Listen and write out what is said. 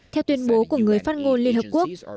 theo tuyên bố của người phát ngôn liên hợp quốc